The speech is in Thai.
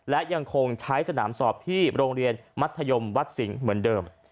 และยังคงใช้สนามสอบที่โรงเรียนมัธยมวัดสิงห์เหมือนเดิม